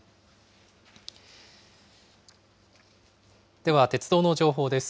では、鉄道の情報です。